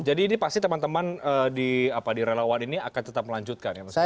jadi ini pasti teman teman di relawan ini akan tetap melanjutkan